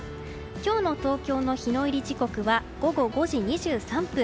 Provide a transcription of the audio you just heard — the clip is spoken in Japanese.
今日の東京の日の入り時刻は午後５時２３分。